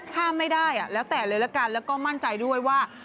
ห้ามไม่ได้แล้วแต่เลยละกันแล้วก็มั่นใจด้วยว่า